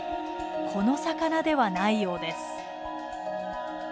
この魚ではないようです。